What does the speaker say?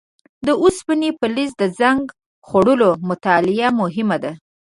د اوسپنې فلز د زنګ خوړلو مطالعه مهمه ده.